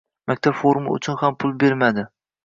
Maktab forma uchun ham pul bermadi